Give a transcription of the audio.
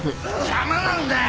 邪魔なんだよ！